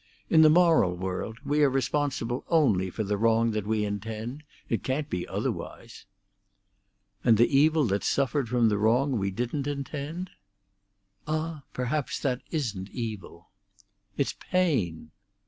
In the moral world we are responsible only for the wrong that we intend. It can't be otherwise." "And the evil that's suffered from the wrong we didn't intend?" "Ah, perhaps that isn't evil." "It's pain!"